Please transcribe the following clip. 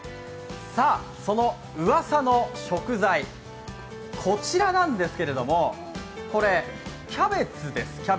そのウワサの食材、こちらなんですけれどもこれ、キャベツです。